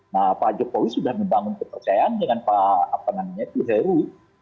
nah pak jokowi sudah membangun kepercayaan dengan pak heru